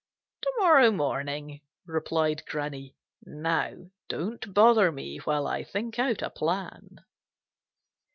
"To morrow morning," replied Granny. "Now don't bother me while I think out a plan."